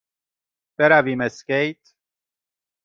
برویم اسکیت؟